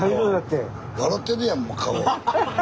てるやんもう顔。